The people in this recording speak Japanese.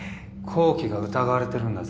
紘希が疑われてるんだぞ。